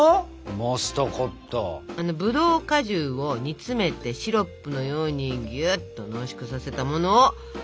ブドウ果汁を煮詰めてシロップのようにぎゅっと濃縮させたものをモストコット。